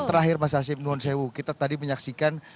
terakhir mas asyid nuwonsewu kita tadi menyaksikan